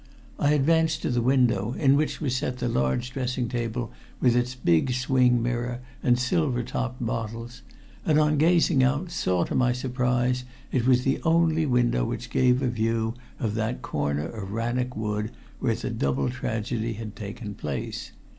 I advanced to the window, in which was set the large dressing table with its big swing mirror and silver topped bottles, and on gazing out saw, to my surprise, it was the only window which gave a view of that corner of Rannoch Wood where the double tragedy had taken place.